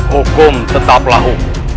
hukum tetap lahum